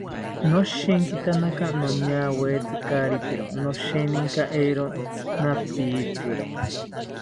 Noshinkitaka noñawetzi kari pero, nosheninka eero napitziro